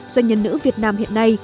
doanh nhân nữ việt nam hiện nay